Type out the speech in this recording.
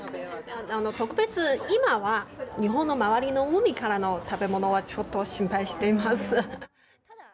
特別、今は日本の周りの海からの食べ物はちょっと心配しています。